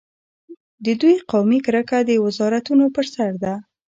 د دوی قومي کرکه د وزارتونو پر سر ده.